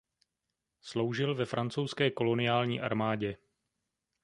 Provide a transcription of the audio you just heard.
Sloužil ve Francouzské koloniální armádě.